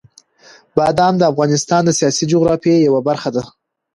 بادام د افغانستان د سیاسي جغرافیې یوه برخه ده.